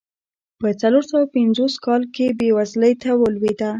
په څلور سوه پنځوس کال کې بېوزلۍ ته ولوېده.